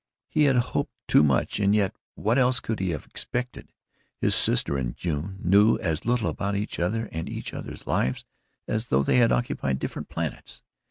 He had hoped too much and yet what else could he have expected? His sister and June knew as little about each other and each other's lives as though they had occupied different planets.